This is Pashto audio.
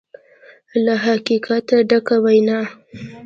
له حقیقته ډکه وینا